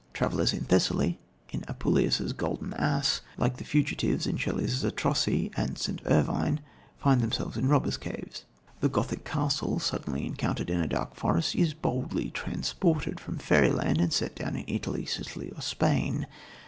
Travellers in Thessaly in Apuleius' Golden Ass, like the fugitives in Shelley's Zastrozzi and St. Irvyne, find themselves in robbers' caves. The Gothic castle, suddenly encountered in a dark forest, is boldly transported from fairyland and set down in Italy, Sicily or Spain.